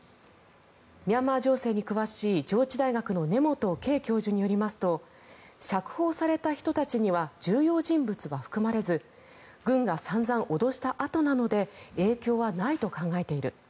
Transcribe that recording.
ミャンマー情勢に詳しい上智大学の根本敬教授によりますと釈放された人たちには重要人物は含まれず軍が散々脅したあとなので影響はないと考えている。